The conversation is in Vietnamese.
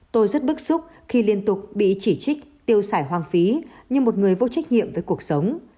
tôi rất bức xúc khi liên tục bị chỉ trích tiêu xài hoang phí như một người vô trách nhiệm với cuộc sống